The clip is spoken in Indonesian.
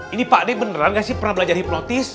ini pak ade beneran gak sih pernah belajar hipnotis